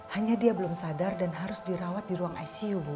hanya dia belum sadar dan harus dirawat di ruang icu bu